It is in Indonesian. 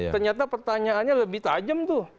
ternyata pertanyaannya lebih tajam tuh